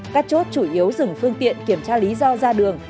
các chốt chủ yếu dừng phương tiện kiểm tra lý do ra đường